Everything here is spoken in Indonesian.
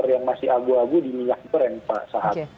tidak ada yang menanggung di minyak goreng pak sahat